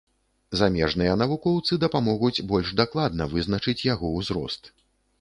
Замежныя навукоўцы дапамогуць больш дакладна вызначыць яго ўзрост.